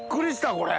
これ。